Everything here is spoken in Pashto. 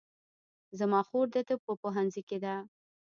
زما خور د طب په پوهنځي کې ده